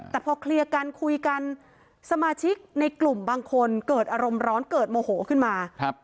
แต่พอเคลียร์กันคุยกันสมาชิกในกลุ่มบางคนเกิดอารมณ์ร้อนเกิดโมโหขึ้นมา